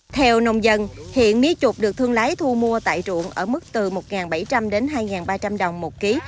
theo nông dân hiện mía trục được thương lái thu mua tại ruộng ở mức từ một bảy trăm linh đến hai ba trăm linh đồng một ký